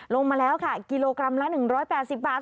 ลงมาแล้วค่ะกิโลกรัมละ๑๘๐บาท